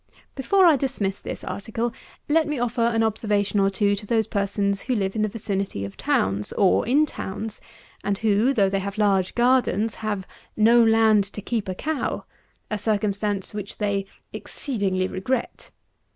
137. Before I dismiss this article, let me offer an observation or two to those persons who live in the vicinity of towns, or in towns, and who, though they have large gardens, have "no land to keep a cow," a circumstance which they "exceedingly regret."